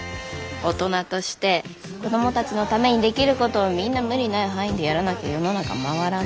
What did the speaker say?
大人として子供たちのためにできることをみんな無理ない範囲でやらなきゃ世の中回らない。